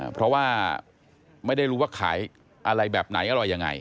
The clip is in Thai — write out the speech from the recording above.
เพราะว่าไม่ได้รู้ว่าขายอะไรแบบไหนอะไรยังไง